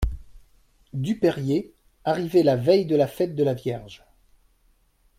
Dupérier, arrivée la veille de la fête de la Vierge.